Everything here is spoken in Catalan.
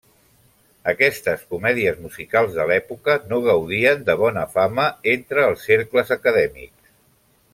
Aquestes comèdies musicals de l'època no gaudien de bona fama entre els cercles acadèmics.